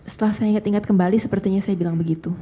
setelah saya ingat ingat kembali sepertinya saya bilang begitu